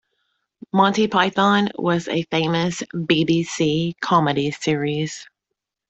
Monty Python was a famous B B C comedy series